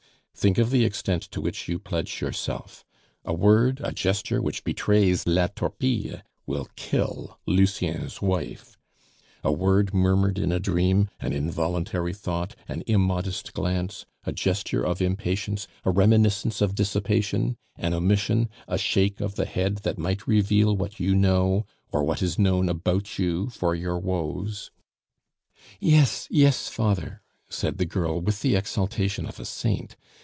Think of the extent to which you pledge yourself. A word, a gesture, which betrays La Torpille will kill Lucien's wife. A word murmured in a dream, an involuntary thought, an immodest glance, a gesture of impatience, a reminiscence of dissipation, an omission, a shake of the head that might reveal what you know, or what is known about you for your woes " "Yes, yes, Father," said the girl, with the exaltation of a saint.